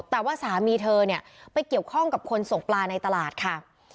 แต่ว่าสามีเธอเนี่ยไปเกี่ยวข้องกับคนส่งปลาในตลาดค่ะ